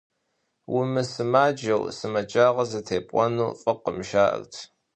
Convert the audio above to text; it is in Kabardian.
Умысымаджэу сымаджагъэ зытепӏуэну фӏыкъым, жаӏэрт.